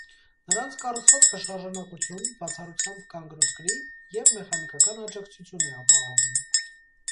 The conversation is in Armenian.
Նրանց կառուցվածքը շարժունակություն (բացառությամբ գանգոսկրի) և մեխանիկական աջակցություն է ապահովում։